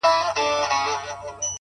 o د دې نړۍ انسان نه دی په مخه یې ښه؛